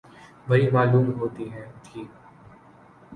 بھری معلوم ہوتی تھی ۔